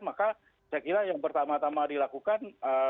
maka saya kira yang pertama tama dilakukan